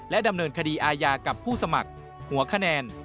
ดำเนินคดีอาญากับผู้สมัครหัวคะแนน